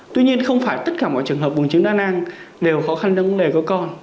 tuy nhiên không phải tất cả mọi trường hợp bùn trứng đa năng đều khó khăn trong vấn đề có con